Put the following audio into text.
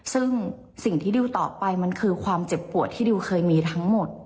ซึ่งสิ่งที่ดิวตอบไปมันคือความเจ็บปวดที่ดิวเคยมีทั้งหมด